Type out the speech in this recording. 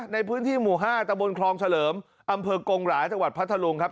ในพื้นที่หมู่๕ตะบนคลองเฉลิมอำเภอกงหลายจังหวัดพัทธลุงครับ